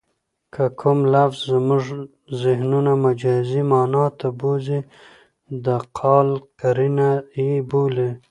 که کوم لفظ زمونږ ذهنونه مجازي مانا ته بوځي؛ د قال قرینه ئې بولي.